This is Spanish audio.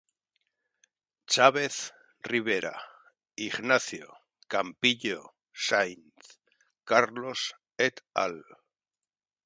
Chávez Rivera, Ignacio, Campillo Sainz, Carlos, et al.